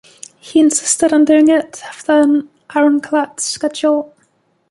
He insisted on doing it after an ironclad schedule.